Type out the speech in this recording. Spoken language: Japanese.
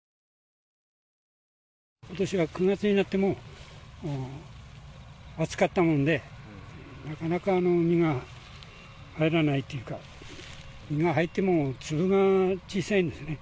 ことしは９月になっても暑かったもんで、なかなか実が入らないというか、実が入っても粒が小さいんですよね。